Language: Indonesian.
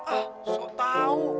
ah sok tau